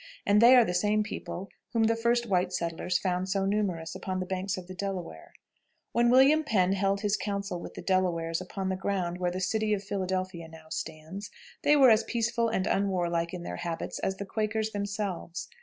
And they are the same people whom the first white settlers found so numerous upon the banks of the Delaware. When William Penn held his council with the Delawares upon the ground where the city of Philadelphia now stands, they were as peaceful and unwarlike in their habits as the Quakers themselves.